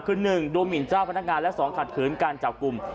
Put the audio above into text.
คือ๑ดูหมินเจ้าพนักงานและ๒ขัดขืนการจับกลุ่ม